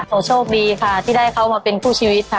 โชคดีค่ะที่ได้เขามาเป็นคู่ชีวิตค่ะ